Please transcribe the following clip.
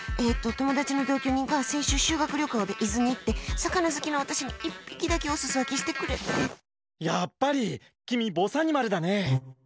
友達の同居人が先週、修学旅行で伊豆に行って魚好きの私に１匹だけやっぱり、君ぼさにまるだね。